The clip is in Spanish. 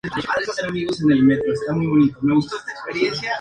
La obra forma parte de la del periódico español "El Mundo".